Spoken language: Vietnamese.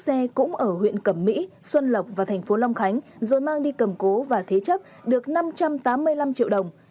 xe cũng ở huyện cẩm mỹ xuân lộc và thành phố long khánh rồi mang đi cầm cố và thế chấp được năm trăm tám mươi năm triệu đồng